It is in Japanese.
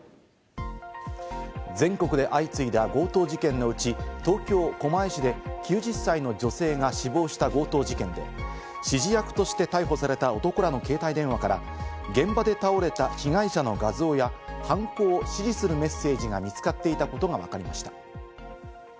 全国で相次いだ強盗事件のうち、東京・狛江市で９０歳の女性が死亡した強盗事件で、指示役として逮捕された男らの携帯電話から、現場で倒れた被害者の画像や、犯行を指示するメッセージが見つかっていたことがわかりました。